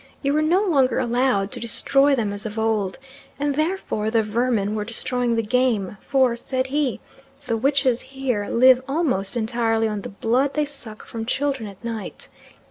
You were no longer allowed to destroy them as of old, and therefore the vermin were destroying the game; for, said he, the witches here live almost entirely on the blood they suck from children at night.